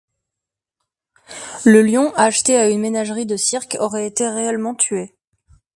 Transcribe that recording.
Le lion, acheté à une ménagerie de cirque, aurait été réellement tué.